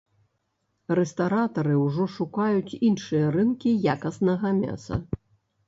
Рэстаратары ўжо шукаюць іншыя рынкі якаснага мяса.